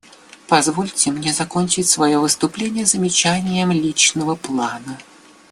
Позвольте мне закончить свое выступление замечанием личного плана.